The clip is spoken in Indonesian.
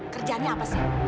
kerjaannya apa sih